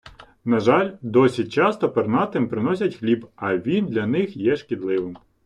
На жаль, досі часто пернатим приносять хліб, а він для них є шкідливим.